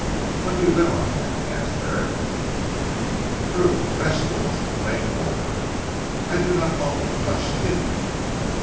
"What do you live on then?" asked Herrick. "Fruit, vegetables and plain water. I do not often touch tea."